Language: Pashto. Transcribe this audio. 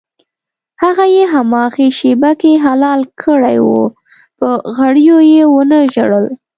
هغه یې هماغې شېبه کې حلال کړی و په غوړیو یې ونه ژړل.